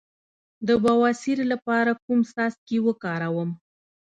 د بواسیر لپاره کوم څاڅکي وکاروم؟